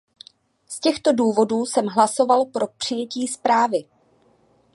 Z těchto důvodů jsem hlasoval pro přijetí zprávy.